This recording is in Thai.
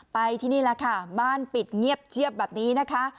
ที่นี่แหละค่ะบ้านปิดเงียบเชียบแบบนี้นะคะ